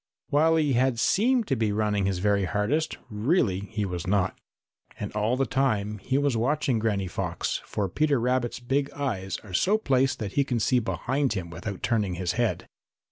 While he had seemed to be running his very hardest, really he was not. And all the time he was watching Granny Fox, for Peter Rabbit's big eyes are so placed that he can see behind him without turning his head.